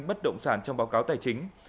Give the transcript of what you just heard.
bất động sản trong báo cáo tài chính